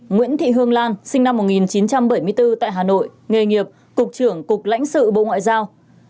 nguyễn thị hương lan sinh năm một nghìn chín trăm bảy mươi bốn tại hà nội nghề nghiệp cục trưởng cục lãnh sự bộ ngoại giao